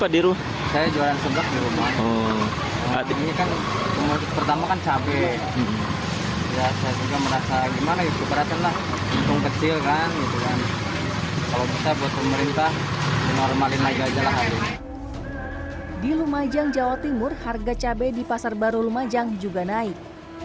di lumajang jawa timur harga cabai di pasar baru lumajang juga naik